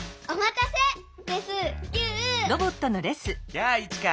やあイチカ！